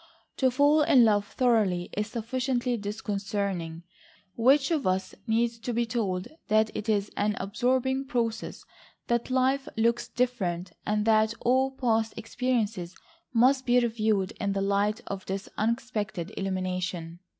To fall in love thoroughly is sufficiently disconcerting. Which of us needs to be told that it is an absorbing process, that life looks different, and that all past experiences must be reviewed in the light of this unexpected illumination.